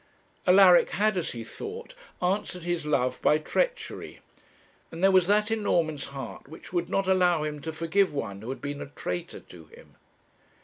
Alaric had, as he thought, answered his love by treachery; and there was that in Norman's heart which would not allow him to forgive one who had been a traitor to him.